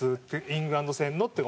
「イングランド戦の」って。